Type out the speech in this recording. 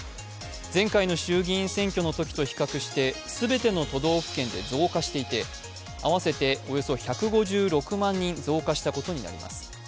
前回の衆議院選挙のときと比べてすべての都道府県で増加していて合わせておよそ１５６万人増加したことになります。